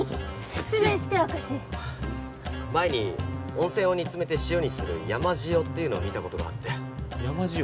説明して明石前に温泉を煮詰めて塩にする山塩っていうのを見たことがあって山塩？